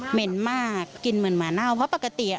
เห็นมากกินเหมือนหมาเน่าเพราะปกติ